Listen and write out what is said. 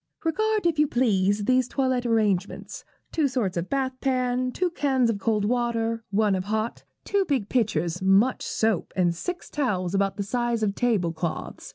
'Regard, if you please, these toilette arrangements two sorts of bath pan, two cans of cold water, one of hot, two big pitchers, much soap, and six towels about the size of table cloths.